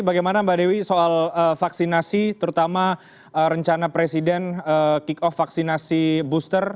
bagaimana mbak dewi soal vaksinasi terutama rencana presiden kick off vaksinasi booster